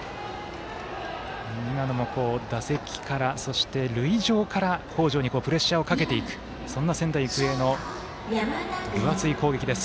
今のも打席から、そして塁上から北條にプレッシャーをかけていくそんな仙台育英の分厚い攻撃です。